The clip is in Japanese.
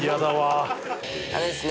「あのですね